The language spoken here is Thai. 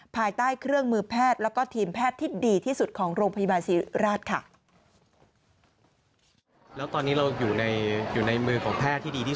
ภายใต้เครื่องมือแพทย์แล้วก็ทีมแพทย์ที่ดีที่สุดของโรงพยาบาลศิริราชค่ะ